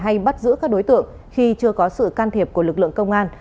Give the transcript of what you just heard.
hành động truy đuổi hay bắt giữ các đối tượng khi chưa có sự can thiệp của lực lượng công an